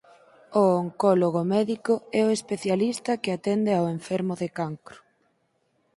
O oncólogo médico é o especialista que atende ao enfermo de cancro.